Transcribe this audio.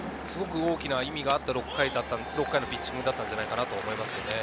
すごく大きな意味があった６回のピッチングだったんじゃないかなと思います。